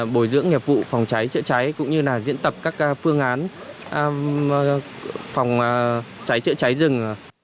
bồi dưỡng nghiệp vụ phòng cháy cháy cháy cũng như diễn tập các phương án phòng cháy cháy cháy rừng